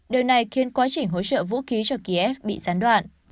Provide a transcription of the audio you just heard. điều này khiến quá trình hỗ trợ vũ khí cho kiev bị gián đoạn